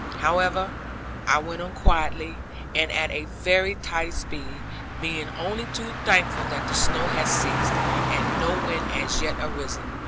However, I went on quietly, and at a very tidy speed; being only too thankful that the snow had ceased, and no wind as yet arisen.